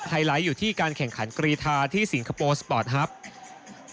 ไลท์อยู่ที่การแข่งขันกรีธาที่สิงคโปร์สปอร์ตฮัพ